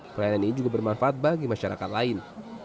pelayanan ini juga bermanfaat bagi masyarakat lain